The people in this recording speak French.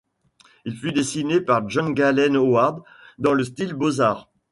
Il fut dessiné par John Galen Howard dans le style Beaux-Arts.